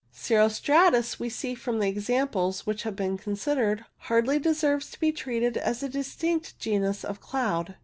Cirro stratus, we see from the examples which have been considered, hardly deserves to be treated as a distinct genus of cloud.